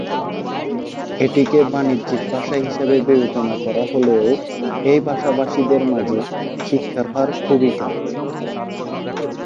এটিকে বাণিজ্যিক ভাষা হিসেবে বিবেচনা করা হলেও এই ভাষাভাষীদের মাঝে শিক্ষার হার খুবই কম।